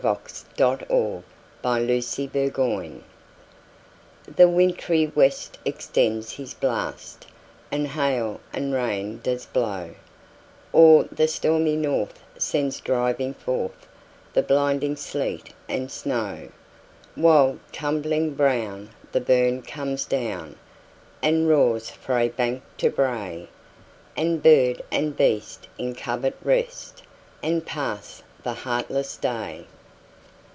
1909–14. 1781 15 . Winter: A Dirge THE WINTRY west extends his blast, And hail and rain does blaw; Or the stormy north sends driving forthThe blinding sleet and snaw:While, tumbling brown, the burn comes down, And roars frae bank to brae; And bird and beast in covert rest, And pass the heartless day.